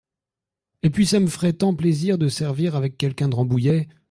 Et puis, ça me ferait tant plaisir de servir avec quelqu’un de Rambouillet…